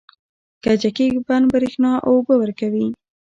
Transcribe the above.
کجکي بند بریښنا او اوبه ورکوي